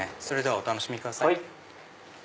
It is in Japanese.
それではお楽しみください。